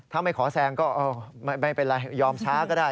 ถ้าไม่ขอแซงก็ไม่เป็นไรยอมช้าก็ได้